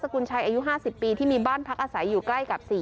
กุญชัยอายุห้าสิบปีที่มีบ้านพักอาศัยอยู่ใกล้กับสี่